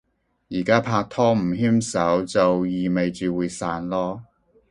而家拍拖，唔牽手就意味住會散囉